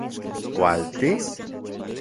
¿Kualtis...?